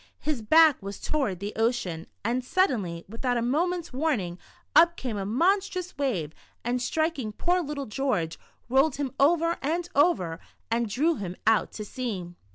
His back was toward the ocean, and suddenly, without a moment's warning, up came a monstrous wave, and striking poor little George, rolled him over and over, and drew him The Shadow. 91 out to sea.